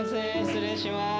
失礼します。